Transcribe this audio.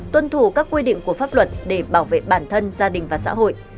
tuân thủ các quy định của pháp luật để bảo vệ bản thân gia đình và xã hội